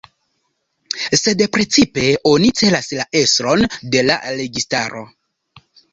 Sed precipe oni celas la estron de la registaro.